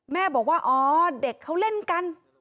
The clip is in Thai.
แม่บอกว่าอ๋อเด็กเขาเล่นกัน